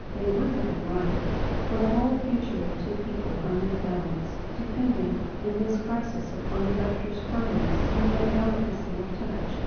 They would have been right; for the whole future of two people hung in the balance; depending, in this crisis, upon the doctor's firmness and yet delicacy of touch.